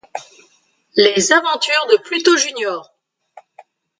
Les aventures de Pluto Jr.